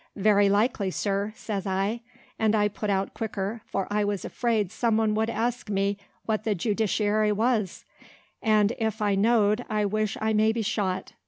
"Very likely, sir," says I, and I put out quicker, for I was afraid some one would ask me what the judiciary was; and if I knowed I wish I may be shot.